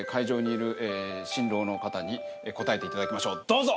「どうぞ！」